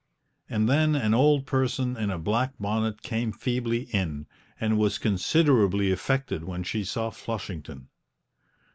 And then an old person in a black bonnet came feebly in, and was considerably affected when she saw Flushington.